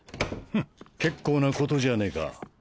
フッ結構なことじゃねえか。